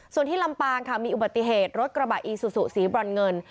ส่วนที่ลำปางค่ะมีอุบัติเหตุรถกระบะอีซูซูสีบรอนเงิน